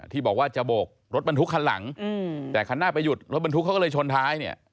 ที่บอกว่าจะโบกรถบรรทุกคันหลังแต่คันหน้าไปหยุดรถบรรทุกเขาก็เลยชนท้ายเนี่ย